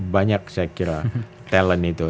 banyak saya kira talent itu